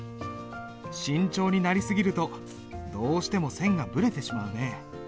慎重になり過ぎるとどうしても線がぶれてしまうね。